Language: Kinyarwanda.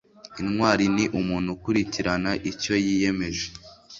intwari ni umuntu ukurikirana icyo yiyemeje